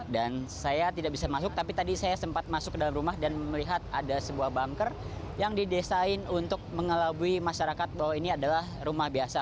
dan saya tidak bisa masuk tapi tadi saya sempat masuk ke dalam rumah dan melihat ada sebuah bunker yang didesain untuk mengelabui masyarakat bahwa ini adalah rumah biasa